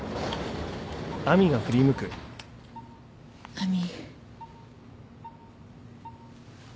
亜美。